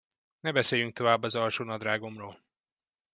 Ne beszéljünk tovább az alsónadrágomról!